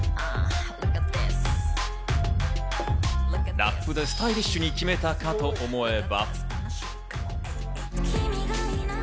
ラップでスタイリッシュに決めたかと思えば。